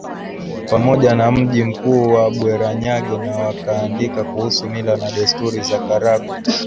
Pamoja na mji mkuu wa Bweranyange na wakaandika kuhusu mila na desturi za Karagwe